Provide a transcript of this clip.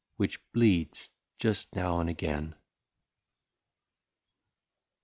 Which bleeds just now and again.